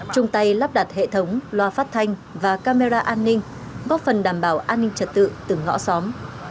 chung tay lắp đặt hệ thống loa phát thanh và camera an ninh góp phần đảm bảo an ninh trật tự từng ngõ xóm